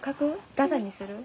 ダダにする？